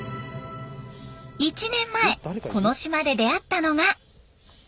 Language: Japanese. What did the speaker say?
１年前この島で出会ったのが。